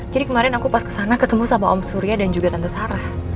jadi kemarin aku pas kesana ketemu sama om surya dan juga tante sarah